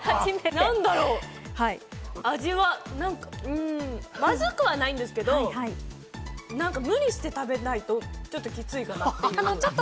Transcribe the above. なんだろう、味はまずくはないんですけど、無理して食べないとキツいかなって。